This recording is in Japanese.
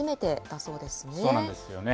そうなんですよね。